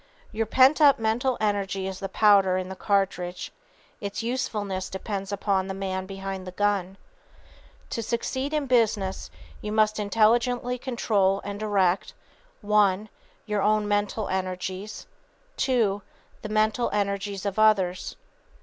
Your pent up mental energy is the powder in the cartridge. Its usefulness depends upon the man behind the gun. To succeed in business you must intelligently control and direct (1) your own mental energies, (2) _the mental energies of others.